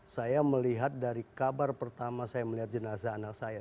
saya melihat dari kabar pertama saya melihat jenazah anak saya